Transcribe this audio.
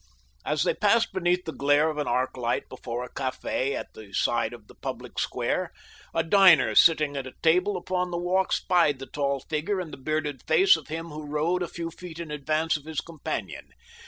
As they passed beneath the glare of an arc light before a cafe at the side of the public square, a diner sitting at a table upon the walk spied the tall figure and the bearded face of him who rode a few feet in advance of his companion.